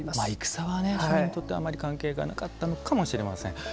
戦は庶民にとってはあまり関係がなかったのかもしれません。